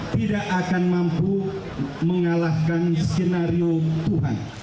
tidak akan mampu mengalahkan skenario tuhan